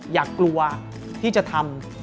อย่ากลัวที่จะทำ